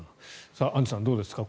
アンジュさん、どうですか